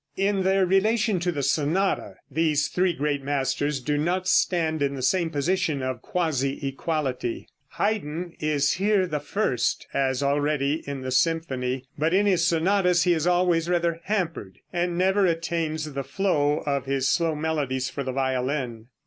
In their relation to the sonata, these three great masters do not stand in the same position of quasi equality. Haydn is here the first, as already in the symphony. But in his sonatas he is always rather hampered, and never attains the flow of his slow melodies for the violin.